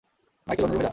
Michael অন্য রুমে যা।